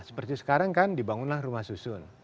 seperti sekarang kan dibangunlah rumah susun